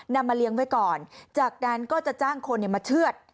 มาเลี้ยงไว้ก่อนจากนั้นก็จะจ้างคนมาเชื่อด